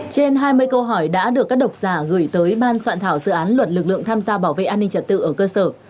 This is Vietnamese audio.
trên hai mươi câu hỏi đã được các độc giả gửi tới ban soạn thảo dự án luật lực lượng tham gia bảo vệ an ninh trật tự ở cơ sở